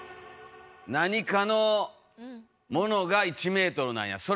何かのものが１ｍなんや。